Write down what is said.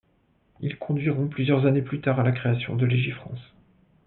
Ils conduiront plusieurs années plus tard à la création de Légifrance.